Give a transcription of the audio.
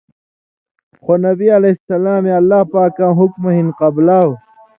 خو نبی علیہ سلامے اللہ پاکاں حُکمہ ہِن قبلاؤ؛